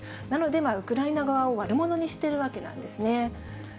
なので、ウクライナ側を悪者にしているわけなんですね。